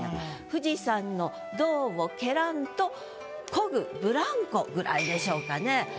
「富士山の胴を蹴らんと漕ぐぶらんこ」ぐらいでしょうかね。